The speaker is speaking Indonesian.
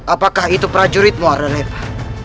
apakah itu prajuritmu ararepa